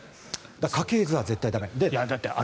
家系図は絶対に駄目。